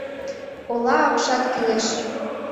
Ола апшат кӱлеш.